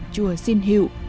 chùa xin hiệu